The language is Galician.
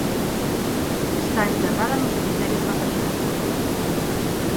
Está enterrada no cemiterio de Badaxoz.